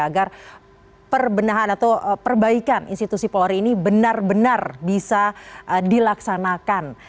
agar perbenahan atau perbaikan institusi polri ini benar benar bisa dilaksanakan